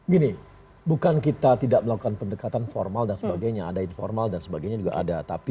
gini bukan kita tidak melakukan pendekatan formal dan sebagainya ada informal dan sebagainya juga ada tapi